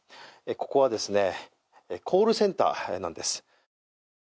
ここはコールセンターなんです。